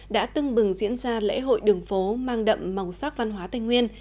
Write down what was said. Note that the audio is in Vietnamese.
đã tưng bừng diễn ra lễ hội đường phố mang đậm màu sắc văn hóa tây nguyên